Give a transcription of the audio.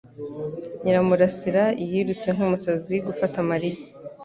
Nyiramurasira yirutse nk'umusazi gufata Mariya